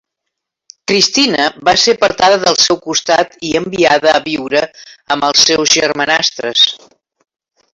Cristina va ser apartada del seu costat i enviada a viure amb els seus germanastres.